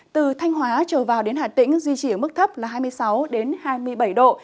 từ thanh hóa trở vào đến hà tĩnh duy trì ở mức thấp là hai mươi sáu hai mươi bảy độ